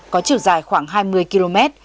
có chiều dài khoảng hai mươi km